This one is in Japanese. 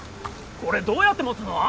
これどうやって持つの？